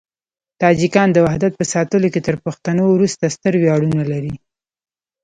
تاجکان د وحدت په ساتلو کې تر پښتنو وروسته ستر ویاړونه لري.